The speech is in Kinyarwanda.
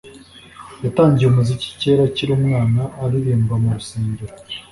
yatangiye umuziki kera akiri umwana aririmba mu rusengero